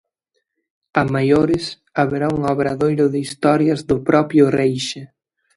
A maiores, haberá un obradoiro de historias do propio Reixa.